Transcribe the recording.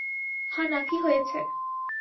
হা-না, কী হয়েছে?